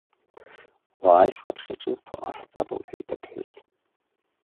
Уааи ҳаԥхьа ҿызҭуа ҟаҳҵап лҳәеит аԥҳәыс.